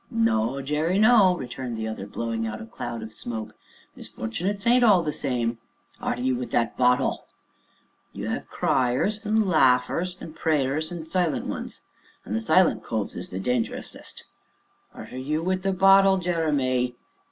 "No, Jerry, no," returned the other, blowing out a cloud of smoke; "misfort'nates ain't all the same (arter you wi' that bottle!) you 'ave Cryers, and Laughers, and Pray ers, and Silent Ones, and the silent coves is the dangerousest (arter you wi' the bottle, Jeremy!)